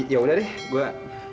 ya udah deh gua